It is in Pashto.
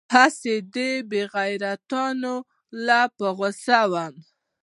هسې دې بې غيرتانو له په غوسه وم.